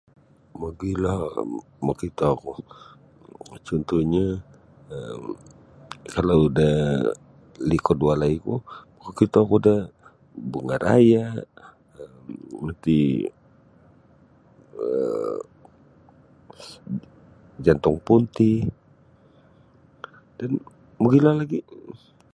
Mogilo mokitoku cuntuhnyo um kalau da likud walaiku makakito oku da bunga raya nu iti um jantung punti dan mogilo lagi'.